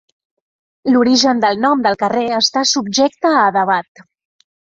L'origen del nom del carrer està subjecte a debat.